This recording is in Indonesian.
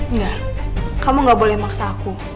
enggak kamu gak boleh maksa aku